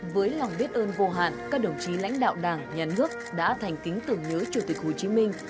với lòng biết ơn vô hạn các đồng chí lãnh đạo đảng nhà nước đã thành kính tưởng nhớ chủ tịch hồ chí minh